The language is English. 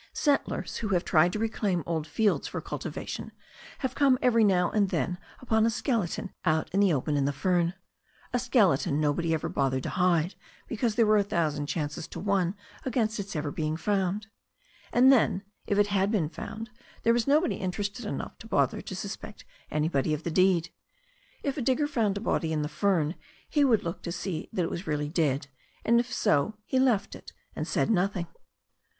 Settlers who have tried to reclaim old fields for cultiva tion have come every now and then upon a skeleton out in the open in the fern, a skeleton nobody ever bothered to THE STORY OF A NEW ZEALAND RIVER 317 hide, because there were a thousand chances to one against its ever being found. And then, if it had been found, there was nobody interested enough to bother to suspect anybody of the deed. If a digger found a body in the fern he would look to see that it was really dead, and if so he left it, and said nothing.